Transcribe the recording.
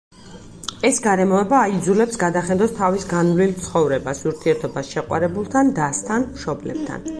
ეს გარემოება აიძულებს გადახედოს თავის განვლილ ცხოვრებას, ურთიერთობას შეყვარებულთან, დასთან, მშობლებთან.